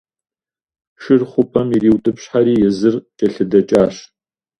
Шыр хъупӀэм ириутӀыпщхьэри, езыр кӀэлъыдэкӀащ.